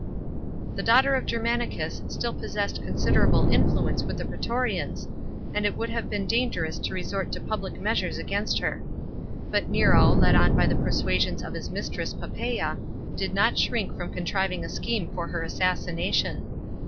§ 5. The daughter of Germanicus still possessed considerable influence with ihe praetorians, and it would have been dangerous to resort to public measures against her. But Nero, led on by the persuasions of his mistress Poppaea, did not shrink from contriving a scheme for her assassination.